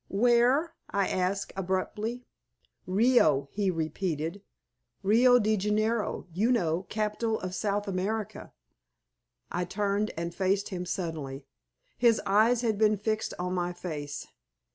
"Where?" I asked, abruptly. "Rio," he repeated. "Rio Janeiro you know, capital of South America." I turned and faced him suddenly. His eyes had been fixed on my face.